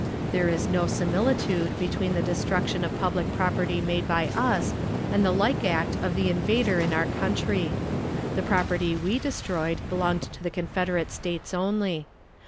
There is no similitude between the destruction of public property made by us and the like act of the invader in our country. The property we destroyed belonged to the Confederate States only.